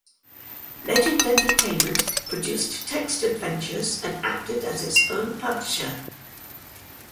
Legend Entertainment produced text adventures and acted as its own publisher.